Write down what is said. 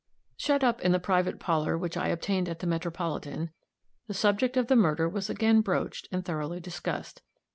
Shut up in the private parlor which I obtained at the Metropolitan, the subject of the murder was again broached and thoroughly discussed.